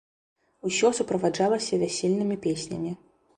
Усё суправаджалася вясельнымі песнямі.